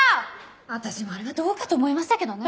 私もあれはどうかと思いましたけどね。